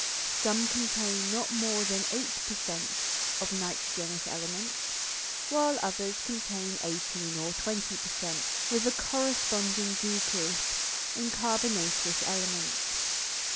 Some contain not more than eight per cent of nitrogenous elements, while others contain eighteen or twenty per cent, with a corresponding decrease in carbonaceous elements.